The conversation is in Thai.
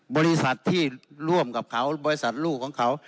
บริษัทที่ร่วมกับเขาบริษัทลูกของเขา